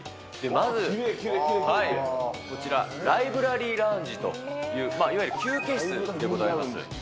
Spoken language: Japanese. まず、こちら、ライブラリーラウンジという、いわゆる休憩室でございます。